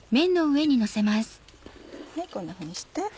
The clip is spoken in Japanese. こんなふうにして。